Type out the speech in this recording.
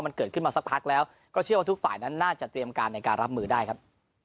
มันเกิดขึ้นมาสักพักแล้วก็เชื่อว่าทุกฝ่ายนั้นน่าจะเตรียมการในการรับมือได้ครับ